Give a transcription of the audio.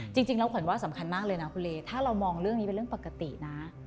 จริงแล้วขวัญว่าสำคัญมากเลยนะคุณเลถ้าเรามองเรื่องนี้เป็นเรื่องปกตินะ